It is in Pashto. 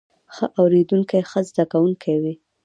ښه اوریدونکی ښه زده کوونکی وي